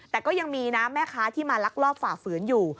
แต่ก็ยังมีนะแม่ค้าที่มาลักลอบฝ่าฝืนอยู่